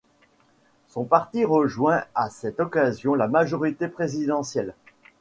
Son parti rejoint à cette occasion la majorité présidentielle.